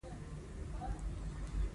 په اتفاق کي برکت وي.